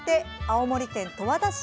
青森県十和田市。